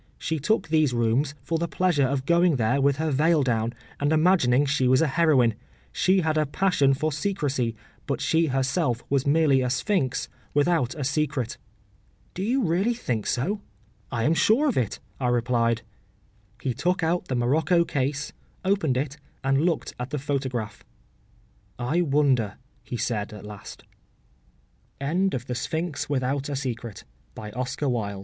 She took these rooms for the pleasure of going there with her veil down, and imagining she was a heroine. She had a passion for secrecy, but she herself was merely a Sphinx without a secret.’ ‘Do you really think so?’ ‘I am sure of it,’ I replied. He took out the morocco case, opened it, and looked at the photograph. ‘I wonder?’ he said at last.